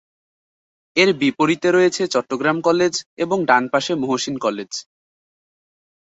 এর বিপরীতে রয়েছে চট্টগ্রাম কলেজ এবং ডান পাশে মহসিন কলেজ।